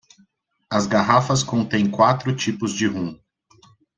As garrafas contêm quatro tipos de rum.